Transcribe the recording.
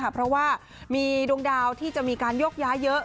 เพราะว่ามีดวงดาวที่จะมีการยกย้ายเยอะ